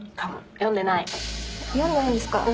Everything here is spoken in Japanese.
読んでないですか。